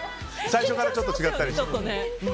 最初からちょっと違ったりして。